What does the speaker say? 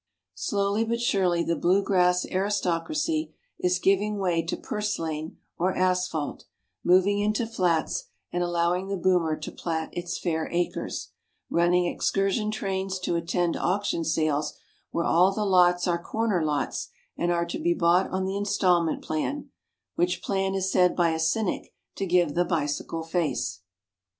Slowly but surely the Blue Grass Aristocracy is giving way to purslane or asphalt, moving into flats, and allowing the boomer to plat its fair acres running excursion trains to attend auction sales where all the lots are corner lots and are to be bought on the installment plan, which plan is said by a cynic to give the bicycle face.